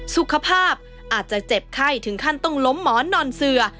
สุขภาพอาจจะเจ็บไข้ถึงขั้นต้องล้มหมอนนอนเสือ